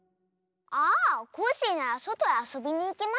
ああコッシーならそとへあそびにいきましたわ。